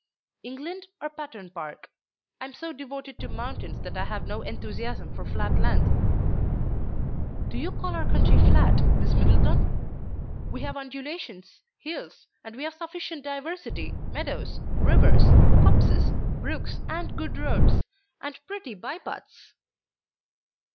"England, or Patterne Park? I am so devoted to mountains that I have no enthusiasm for flat land." "Do you call our country flat, Miss Middleton? We have undulations, hills, and we have sufficient diversity, meadows, rivers, copses, brooks, and good roads, and pretty by paths."